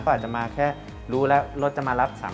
เขาอาจจะมาแค่รู้แล้วรถจะมารับ๓๐๐